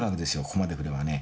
ここまで来ればね。